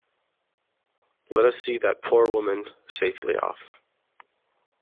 Let us see that poor woman safely off.